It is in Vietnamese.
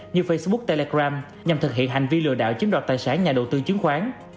như facebook telegram nhằm thực hiện hành vi lừa đảo chiếm đoạt tài sản nhà đầu tư chứng khoán